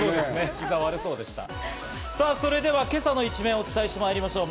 それでは、今朝の一面をお伝えしてまいりましょう。